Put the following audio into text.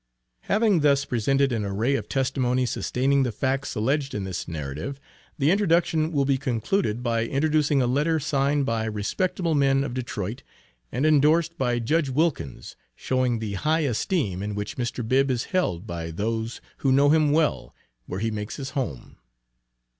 Having thus presented an array of testimony sustaining the facts alleged in this narrative, the introduction will be concluded by introducing a letter signed by respectable men of Detroit, and endorsed by Judge Wilkins, showing the high esteem in which Mr. Bibb is held by those who know him well where he makes his home.